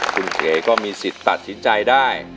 คุณเก๋ก็มีสิทธิ์ตัดสินใจได้